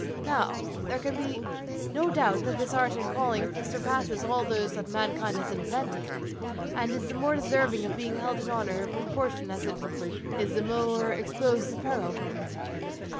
Now, there can be no doubt that this art and calling surpasses all those that mankind has invented, and is the more deserving of being held in honour in proportion as it is the more exposed to peril.